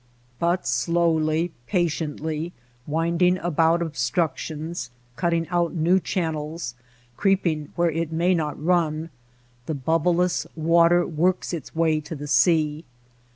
But slowly, patiently, winding about obstruc tions, cutting out new channels, creeping where it may not run, the bubbleless water works its way to the sea.